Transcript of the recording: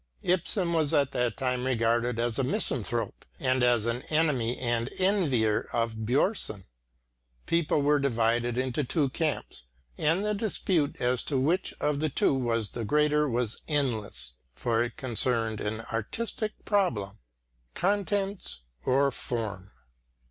Ibsen was at that time regarded as a misanthrope and as an enemy and envier of Björnson. People were divided into two camps, and the dispute as to which of the two was the greater was endless, for it concerned an artistic problem "contents or form."